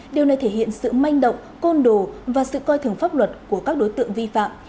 điều này thể hiện sự manh động côn đồ và sự coi thường pháp luật của các đối tượng vi phạm